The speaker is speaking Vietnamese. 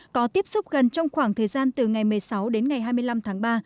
có tiếp xúc gần trong khoảng thời gian từ ngày một mươi sáu đến ngày hai mươi năm tháng ba